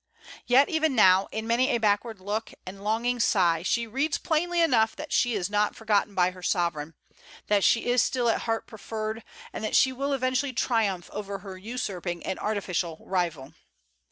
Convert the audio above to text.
Yet even now, in many a backward look and longing sigh, she reads plainly enough that she is not forgotten by her sovereign, that she is still at heart preferred, and that she will eventually triumph over her usurping and artificial rival."